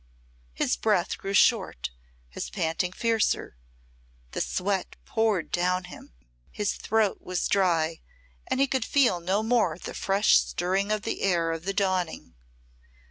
His breath grew short, his panting fiercer, the sweat poured down him, his throat was dry, and he could feel no more the fresh stirring of the air of the dawning.